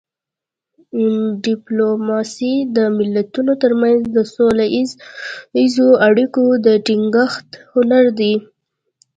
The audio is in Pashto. ډیپلوماسي د ملتونو ترمنځ د سوله اییزو اړیکو د ټینګښت هنر دی